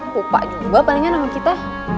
gupa juga palingnya sama kita